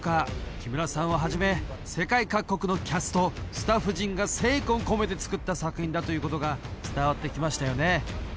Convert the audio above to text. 木村さんをはじめ世界各国のキャストスタッフ陣が精魂込めて作った作品だということが伝わってきましたよね